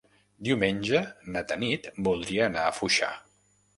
Diumenge na Tanit voldria anar a Foixà.